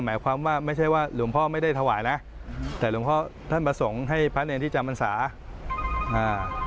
หมายความว่าไม่ใช่ว่าหลวงพ่อไม่ได้ถวายนะแต่หลวงพ่อท่านมาส่งให้พระเนรที่จำพรรษาอ่า